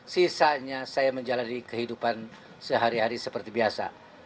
sisanya saya menjalani kehidupan sehari hari seperti biasa